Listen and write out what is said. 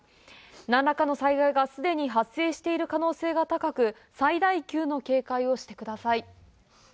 何らかの災害が発生してる可能性が高く、最大級の警戒をしてください。